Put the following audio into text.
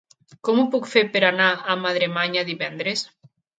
Com ho puc fer per anar a Madremanya divendres?